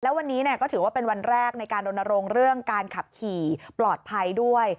แล้ววันนี้ก็ถือว่าเป็นวันแรกในการดนรงค์เรื่องการขับขี่ปลอดภัยด้วย